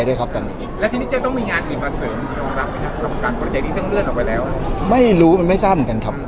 ใช่ตอนนี้ก็เลยถ่ายโฆษณาใช่แล้วไม่รู้เวลาได้เลยครับ